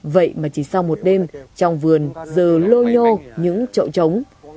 vậy mà chỉ sau một đêm trong vườn giờ lô nhô những trậu trống